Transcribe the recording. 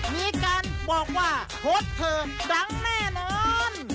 มีการบอกว่าโฮดเทิมดังแน่นอน